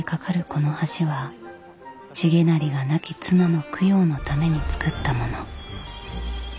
この橋は重成が亡き妻の供養のために造ったもの。